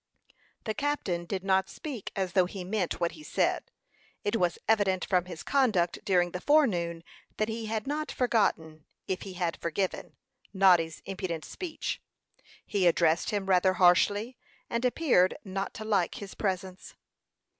The captain did not speak as though he meant what he said. It was evident from his conduct during the forenoon, that he had not forgotten, if he had forgiven, Noddy's impudent speech. He addressed him rather harshly, and appeared not to like his presence.